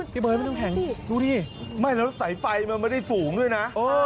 พี่เบิ้ลไม่ต้องแห่งดูดิไม่รถสายไฟมันไม่ได้สูงด้วยนะ